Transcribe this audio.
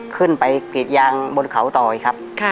ขึ้นไปกรีดยางบนเขาต่ออีกครับ